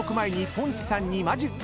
ポンチさん直伝のマジック。